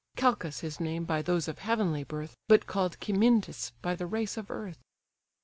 (Chalcis his name by those of heavenly birth, But call'd Cymindis by the race of earth.)